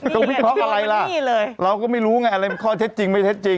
วิเคราะห์อะไรล่ะเราก็ไม่รู้ไงอะไรข้อเท็จจริงไม่เท็จจริง